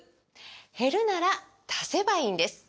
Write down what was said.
減るなら足せばいいんです！